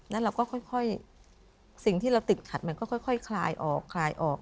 แล้วเราก็ค่อยสิ่งที่เราติดขัดมันก็ค่อยคลายออกคลายออก